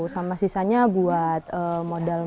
sama sisanya buat modal modal usaha yang lainnya